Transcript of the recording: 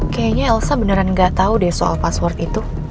kayaknya elsa beneran nggak tahu deh soal password itu